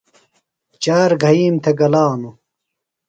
چار گھئیم تھےۡ گلانوۡ۔